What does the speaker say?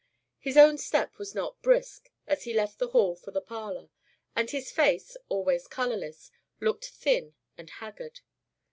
His own step was not brisk as he left the hall for the parlour, and his face, always colourless, looked thin and haggard.